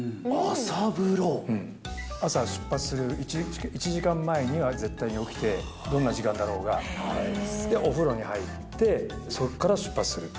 朝、出発する１時間前には絶対に起きて、どんな時間だろうが、お風呂に入って、そこから出発する。